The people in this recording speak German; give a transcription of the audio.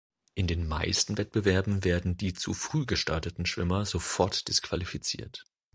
In den meisten Wettbewerben werden die zu früh gestarteten Schwimmer sofort disqualifiziert.